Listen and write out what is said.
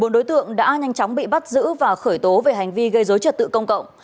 bốn đối tượng đã nhanh chóng bị bắt giữ và khởi tố về hành vi gây dối trật tự công cộng